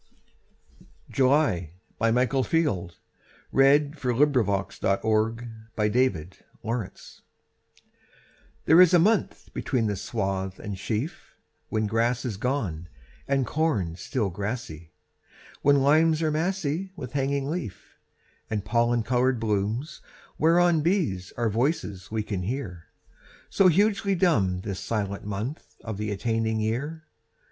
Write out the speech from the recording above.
mes call Upon our love, and the long echoes fall. Michael Field July THERE is a month between the swath and sheaf When grass is gone And corn still grassy; When limes are massy With hanging leaf, And pollen coloured blooms whereon Bees are voices we can hear, So hugely dumb This silent month of the attaining year.